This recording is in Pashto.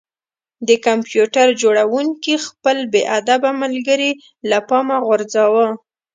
د کمپیوټر جوړونکي خپل بې ادبه ملګری له پامه وغورځاوه